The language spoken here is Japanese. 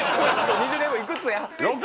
２０年後いくつや？